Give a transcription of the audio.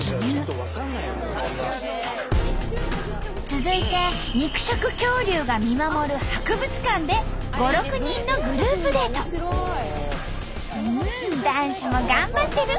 続いて肉食恐竜が見守る博物館で５６人の男子も頑張ってる！